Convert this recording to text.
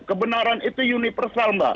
kebenaran itu universal mbak